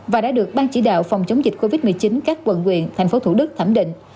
và đã được ban chỉ đạo phòng chống dịch covid một mươi chín các quận nguyện tp hcm thẩm định